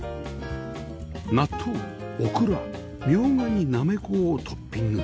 納豆オクラミョウガにナメコをトッピング